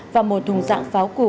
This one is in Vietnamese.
và một thùng dạng pháo củ